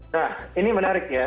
nah ini menarik ya